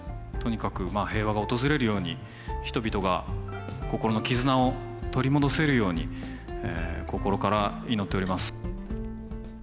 とにかく平和が訪れるように人々が心の絆を取り戻せるように、心から祈っております。